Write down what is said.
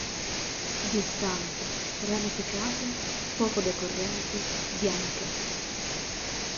Distanti, ramificate, poco decorrenti, bianche.